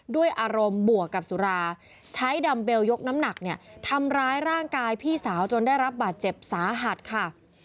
ด้วยอารมณ์บวกกับสุราใช้ดัมเบลยกน้ำหนักเนี่ยทำร้ายร่างกายพี่สาวจนได้รับบาดเจ็บสาหัสค่ะ